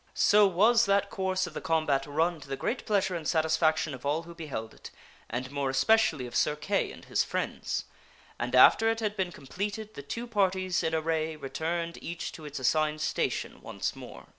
So was that course of the combat run to the great pleasure and satis faction of all who beheld it, and more especially of Sir Kay and his friends. And after it had been completed the two parties in array returned each to its assigned station once more.